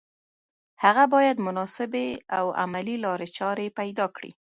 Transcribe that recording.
هغه باید مناسبې او عملي لارې چارې پیدا کړي